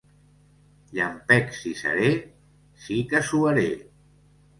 Llampecs i serè? Sí que suaré!